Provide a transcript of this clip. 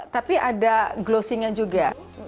tapi ada glossing nya juga